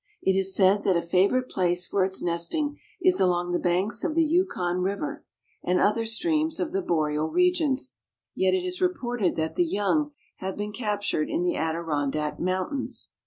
It is said that a favorite place for its nesting is along the banks of the Yukon river, and other streams of the boreal regions, yet it is reported that the young have been captured in the Adirondack mountains.